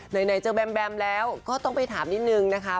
ไหนเจอแบมแบมแล้วก็ต้องไปถามนิดนึงนะคะ